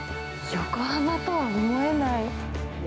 横浜とは思えない。